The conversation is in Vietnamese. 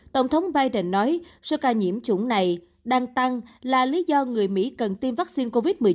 tổng thống biden nói số ca nhiễm chủng này đang tăng là lý do người mỹ cần tiêm vaccine covid một mươi chín